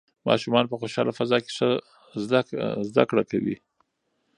ماشومان په خوشحاله فضا کې ښه زده کوي.